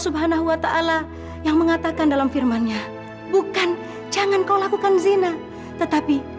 subhanahu wa ta'ala yang mengatakan dalam firmannya bukan jangan kau lakukan zina tetapi